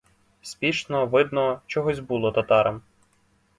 Спішно, видно, чогось було, татарам.